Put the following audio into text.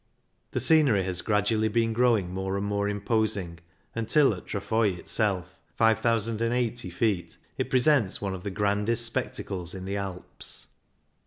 The scenery has gradually been growing more and more imposing, until at Trafoi itself (5,080 ft.) it presents one of the grandest spectacles in the Alps.